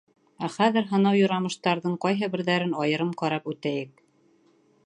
Ә хәҙер һынау-юрамыштарҙың ҡайһы берҙәрен айырым ҡарап үтәйек: